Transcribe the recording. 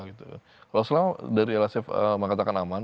kalau selama dari lsf mengatakan aman